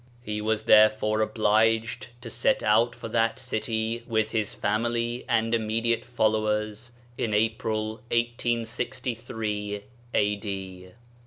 He was therefore obliged to set out for that city with his family and immediate followers in April, 1863 A.D.